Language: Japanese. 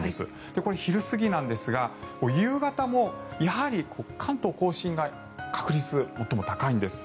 特に昼過ぎなんですが夕方もやはり関東・甲信が確率、最も高いんです。